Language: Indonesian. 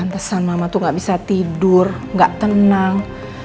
pesan mama tuh gak bisa tidur gak tenang